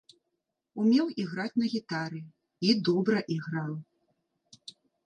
Умеў іграць на гітары і добра іграў.